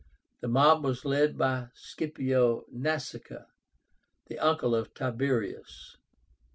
The mob was led by SCIPIO NASÍCA, the uncle of Tiberius.